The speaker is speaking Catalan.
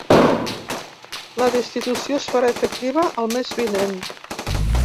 La destitució es farà efectiva el mes vinent.